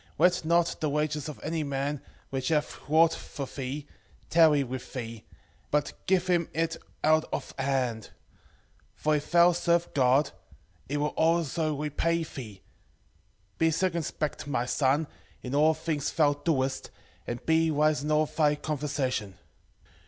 4:14 Let not the wages of any man, which hath wrought for thee, tarry with thee, but give him it out of hand: for if thou serve God, he will also repay thee: be circumspect my son, in all things thou doest, and be wise in all thy conversation.